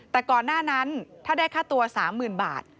แต่ก่อนหน้านั้นถ้าได้ค่าตัว๓๐๐๐บาท